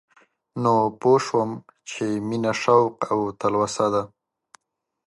نو پوه شوم چې مينه شوق او تلوسه ده